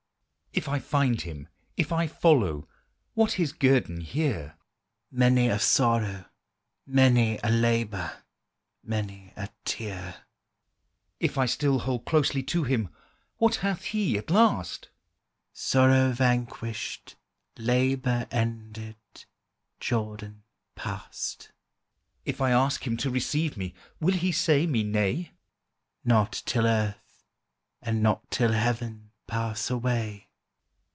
If I find Him, if I follow, What His guerdon here? "Many a sorrow, many a labor, Many a tear." If I still hold closely to Him, What hath He at last? "Sorrow vanquished, labor ended, Jordan passed." If I ask Him to receive me, Will He say me nay? "Not till earth, and not till heaven Pass away."